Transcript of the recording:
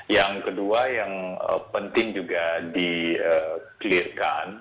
yang kedua yang penting juga di clear kan